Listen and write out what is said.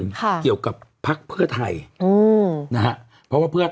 ค่ะเกี่ยวกับพักภ